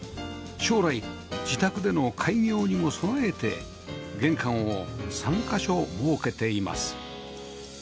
将来自宅での開業にも備えて玄関を３カ所設けています